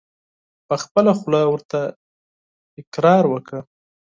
په خپله خوله ورته اقرار وکړه !